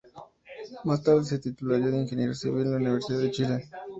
Más tarde se titularía de ingeniero civil en la Universidad de Chile.